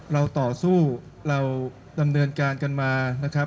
เราต่อสู้เราดำเนินการกันมานะครับ